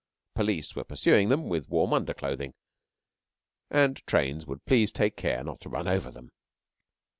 Police were pursuing them with warm underclothing, and trains would please take care not to run over them.